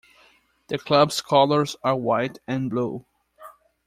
The club's colors are white and blue.